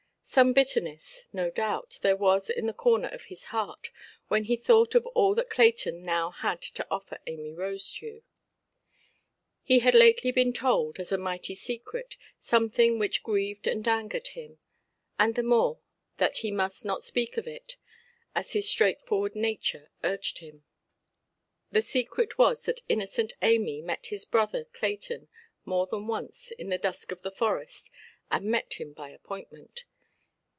Some bitterness, no doubt, there was in the corner of his heart, when he thought of all that Clayton now had to offer Amy Rosedew. He had lately been told, as a mighty secret, something which grieved and angered him; and the more, that he must not speak of it, as his straightforward nature urged him. The secret was that innocent Amy met his brother Clayton, more than once, in the dusk of the forest, and met him by appointment.